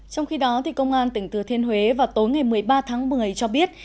trong khi đó công an tỉnh thừa thiên huế vào tối ngày một mươi ba tháng một mươi cho biết